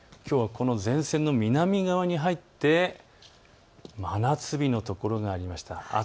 この前線の南側に入って真夏日の所がありました。